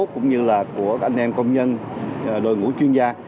cũng như là của anh em công nhân đội ngũ chuyên gia